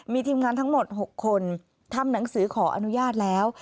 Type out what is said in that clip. มีทีมงานทั้งหมด๖คนทำหนังสือขออนุญาตแล้ว